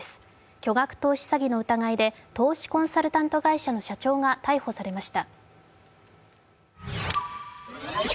巨額投資詐欺の疑いで投資コンサルタント会社の社長が逮捕されました。